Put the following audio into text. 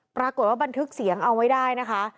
บันทึกเสียงเอาไว้ได้นะคะ